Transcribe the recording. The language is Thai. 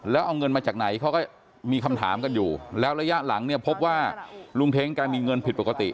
แล้วเอาเงินมาจากไหนเขาก็มีคำถามกันอยู่แล้วระยะหลังเนี่ยพบว่าลุงเท้งแกมีเงินผิดปกติ